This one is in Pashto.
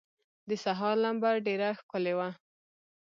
د سهار لمبه ډېره ښکلي وه.